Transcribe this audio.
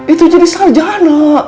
itu jadi sarjana